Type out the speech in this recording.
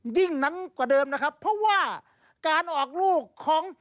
ยิ่งนั้นกว่าเดิมนะครับเพราะว่าการออกลูกของ